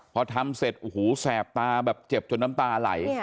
พอทำเสร็จโอ้โหแสบตาแบบเจ็บจนน้ำตาไหล